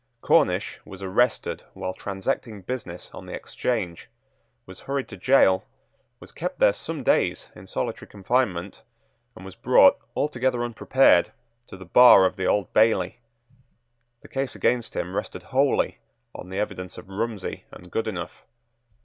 Cornish was arrested while transacting business on the Exchange, was hurried to gaol, was kept there some days in solitary confinement, and was brought altogether unprepared to the bar of the Old Bailey. The case against him rested wholly on the evidence of Rumsey and Goodenough.